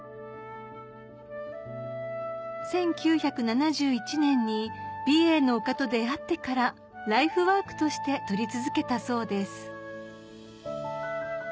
１９７１年に美瑛の丘と出合ってからライフワークとして撮り続けたそうです